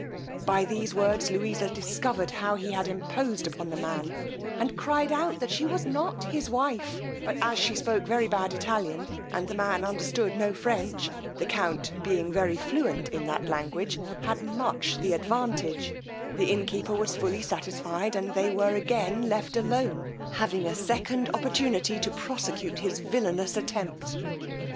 By these words Louisa discovered how he had imposed upon the man, and cried out she was not his wife; but as she spoke very bad Italian, and the man understood no French, the count being very fluent in that language, had much the advantage, the innkeeper was fully satisfied, and they were again left alone, having a second opportunity to prosecute his villanous attempt.